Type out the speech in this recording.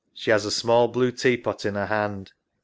She has a small blue tea pot in her hand.